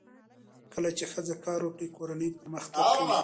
کله چې ښځه کار وکړي، کورنۍ پرمختګ کوي.